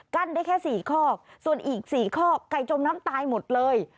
กั้นได้แค่สี่ข้อกส่วนอีกสี่ข้อกไก่จมน้ำตายหมดเลย